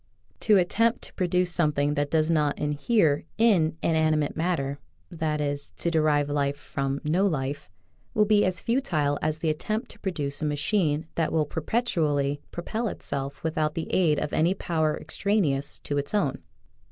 To attempt to produce some thing that does not inhere in inanimate mat ter (that is, to derive life from no life) will be as futile as the attempt to produce a machine that will perpetually propel itself without the aid of any power extraneous to its own.